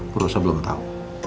bu rossa belum tau